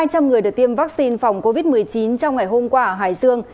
hai trăm linh người được tiêm vaccine phòng covid một mươi chín trong ngày hôm qua ở hải dương